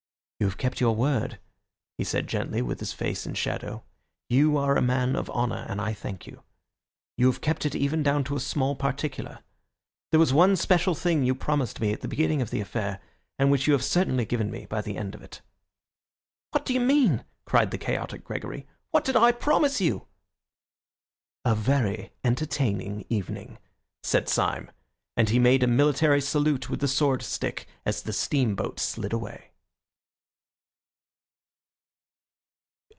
"You have kept your word," he said gently, with his face in shadow. "You are a man of honour, and I thank you. You have kept it even down to a small particular. There was one special thing you promised me at the beginning of the affair, and which you have certainly given me by the end of it." "What do you mean?" cried the chaotic Gregory. "What did I promise you?" "A very entertaining evening," said Syme, and he made a military salute with the sword stick as the steamboat slid away.